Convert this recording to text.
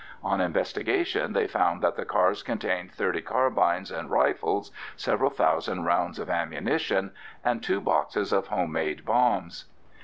On investigation they found that the cars contained thirty carbines and rifles, several thousand rounds of ammunition, and two boxes of home made bombs.